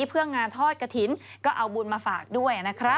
เพื่องานทอดกระถิ่นก็เอาบุญมาฝากด้วยนะครับ